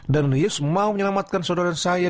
dan yesus mau menyelamatkan saudara dan saya